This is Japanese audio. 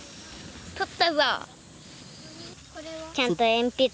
採ったぞ！